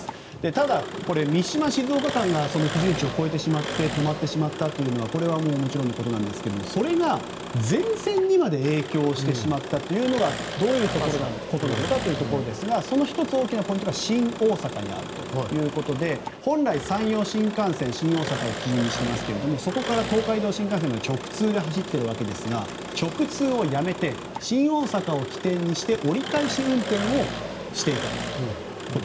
ただ、三島静岡間が基準値を超えて止まってしまったのはもちろんですがそれが全線にまで影響してしまったということがどういうことなのかということですがその１つの大きなポイントが新大阪にあるということで本来山陽新幹線新大阪を基準していますがそこから東海道新幹線が直通で走っていますが直通をやめ新大阪駅を起点にして折り返し運転をしていたと。